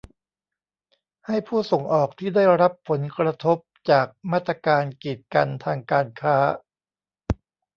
ให้ผู้ส่งออกที่ได้รับผลกระทบจากมาตรการกีดกันทางการค้า